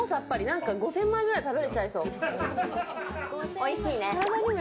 おいしいね。